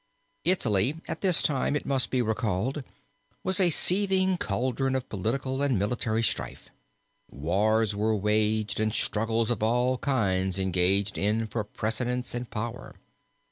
Italy at this time, it must be recalled, was a seething cauldron of political and military strife. Wars were waged, and struggles of all kinds engaged in for precedence and power.